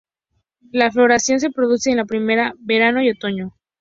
La floración se produce en la primavera, verano y otoño.